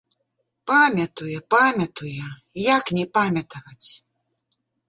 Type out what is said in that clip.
Памятуе, памятуе, як не памятаваць!